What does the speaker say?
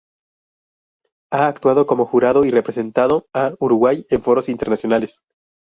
Ha actuado como jurado y representado a Uruguay en foros internacionales.